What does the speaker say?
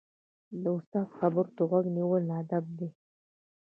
د استاد خبرو ته غوږ نیول ادب دی.